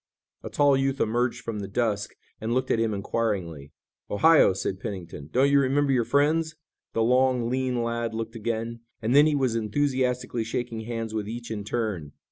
A tall youth emerged from the dusk and looked at them inquiringly. "Ohio," said Pennington, "don't you remember your friends?" The long, lean lad looked again, and then he was enthusiastically shaking hands with each in turn.